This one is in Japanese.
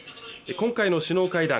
今回の首脳会談